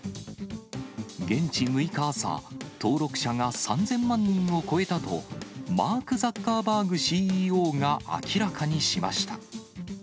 現地６日朝、登録者が３０００万人を超えたと、マーク・ザッカーバーグＣＥＯが明らかにしました。